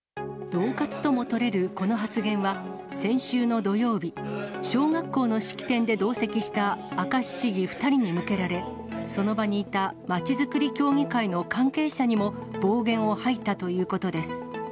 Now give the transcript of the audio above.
どう喝とも取れるこの発言は、先週の土曜日、小学校の式典で同席した明石市議２人に向けられ、その場にいたまちづくり協議会の関係者にも暴言を吐いたということです。